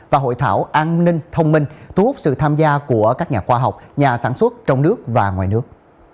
và hội thảo an ninh thông minh thu hút sự tham gia của các nhà khoa học nhà sản xuất trong nước và ngoài nước